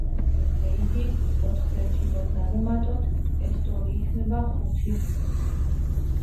ესე იგი, ოთხს ერთი რომ დავუმატოთ, ეს ტოლი იქნება ხუთის.